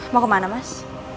mau kemana mas